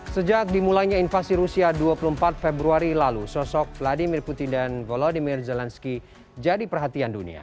sejak dimulainya invasi rusia dua puluh empat februari lalu sosok vladimir putin dan volodymyr zelensky jadi perhatian dunia